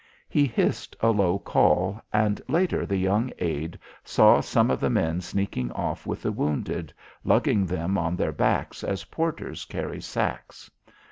He hissed a low call, and later the young aide saw some of the men sneaking off with the wounded, lugging them on their backs as porters carry sacks.